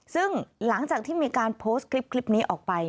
ซึ่งหลังจากที่มีการโพสต์คลิปนี้ออกไป